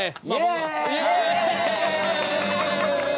イエーイ！